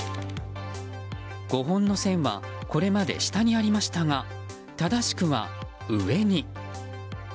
５本の線はこれまで下にありましたが正しくは上に。